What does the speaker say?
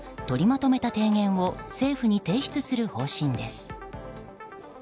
自民党は取りまとめた提言を政府に提出する方針です。